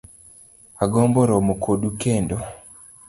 Agombo romo kodu kendo